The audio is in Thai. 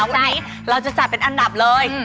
ไหนเราจะจัดเป็นอันดับเลย